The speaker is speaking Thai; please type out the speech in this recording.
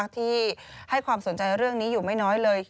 ที่ให้ความสนใจเรื่องนี้อยู่ไม่น้อยเลย